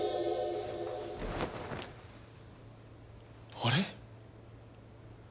あれ？